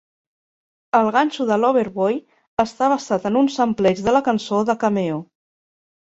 El ganxo de Loverboy està basat en un sampleig de la cançó de Cameo.